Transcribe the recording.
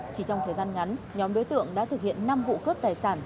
chỉ trong thời gian ngắn nhóm đối tượng đã thực hiện năm vụ cướp tài sản